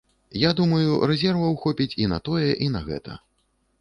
Я думаю, рэзерваў хопіць і на тое, і на гэта.